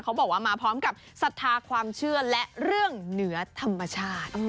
เขาบอกว่ามาพร้อมกับศรัทธาความเชื่อและเรื่องเหนือธรรมชาติ